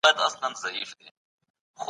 حضوري زده کړه د ښوونکي ملاتړ ژر برابروي.